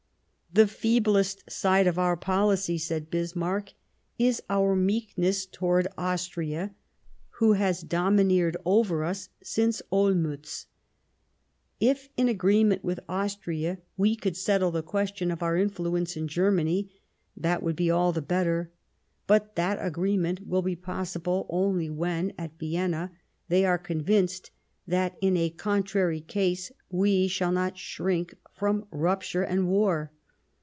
" The feeblest side of our policy," said Bismarck, 50 The First Passage of Arms is our meekness towards Austria, who has domi A Pr««,,«,™ > neered over us since Olmiitz. ... If, A rrogramme .' of Foreign in agreement with Austria, we could °°^ settle the question of our influence in Germany, that would be all the better ; but that agreement will be possible only when, at Vienna, they are convinced that in a contrary case we shall not shrink from rupture and war."